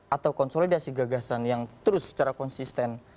atau konsolidasi gagasan yang terus secara konsisten